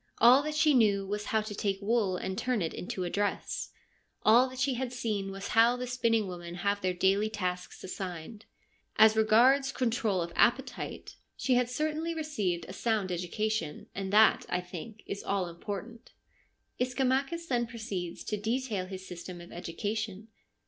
All that she knew was how to take wool and turn it into a dress. All that she had seen was how the spinning women have their daily tasks assigned. As regards control of appetite, she 146 FEMINISM IN GREEK LITERATURE had certainly received a sound education, and that, I think, is all important/ Ischomachus then proceeds to detail his system of education.